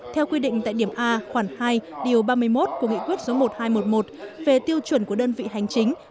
theo quy định tại điểm a khoảng hai điều ba mươi một của nghị quyết số một nghìn hai trăm một mươi một về tiêu chuẩn của đơn vị hành chính